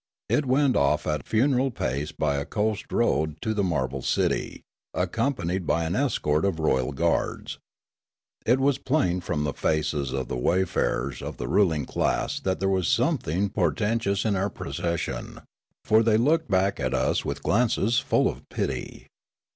It went off at funereal pace by a coast road to the marble city, ac companied bj' an escort of royal guards. It was plain from the faces of the wayfarers of the ruling class that there was something portentous in our procession, for they looked back at us with glances full of pit}